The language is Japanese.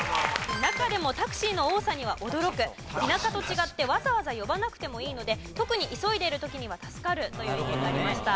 中でもタクシーの多さには驚く田舎と違ってわざわざ呼ばなくてもいいので特に急いでいる時には助かるという意見がありました。